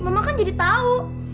mama kan jadi tau